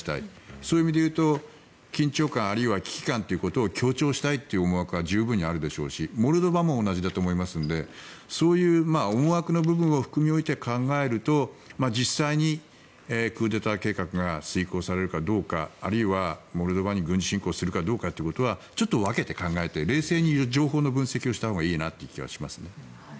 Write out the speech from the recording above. そういう意味でいうと緊張感あるいは危機感を強調したいという思惑は十分にあると思いますしモルドバも同じだと思いますのでそういう思惑の部分を含みおいて考えると実際にクーデター計画が遂行されるかどうかあるいはモルドバに軍事侵攻するかどうかということはちょっと分けて考えて冷静に情報の分析をしたほうがいい気がします。